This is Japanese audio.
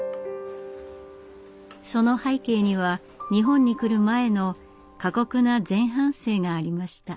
その背景には日本に来る前の過酷な前半生がありました。